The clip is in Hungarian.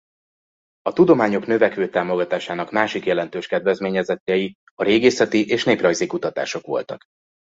A tudományok növekvő támogatásának másik jelentős kedvezményezettjei a régészeti és néprajzi kutatások voltak.